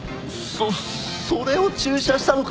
そっそれを注射したのか？